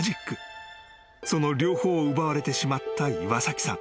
［その両方を奪われてしまった岩崎さん］